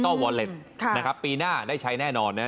ก็วอลเล็ตนะครับปีหน้าได้ใช้แน่นอนนะ